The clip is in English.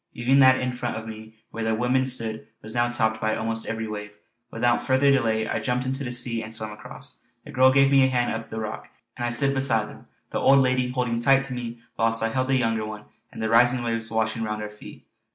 Even that in front of me where the women stood was now topped by almost every wave. Without further delay I jumped into the sea and swam across. The girl gave me a hand up the rock, and I stood beside them, the old lady holding tight to me whilst I held the younger one and the rising waves washing round our feet.